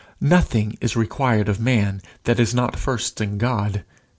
Nothing is required of man that is not first in God.